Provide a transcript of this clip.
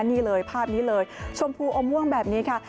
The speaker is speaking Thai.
นี่เลยภาพนี้เลยชมพูอมม่วงแบบนี้ค่ะ